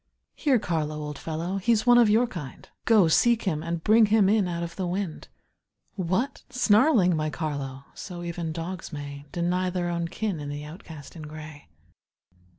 Here, Carlo, old fellow, he's one of your kind, Go, seek him, and bring him in out of the wind. What! snarling, my Carlo! So even dogs may Deny their own kin in the outcast in gray.